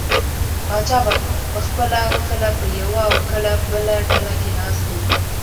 پاچا به پخپله کله په یوه او کله بله ډله کې ناست و.